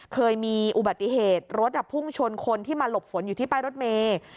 เคยมีอุบัติเหตุรถพุ่งชนคนที่มาหลบฝนอยู่ที่ป้ายรถเมย์